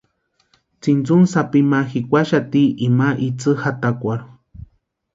Tsintsuni sápi ma jikwaxati ima itsï jatakwarhu.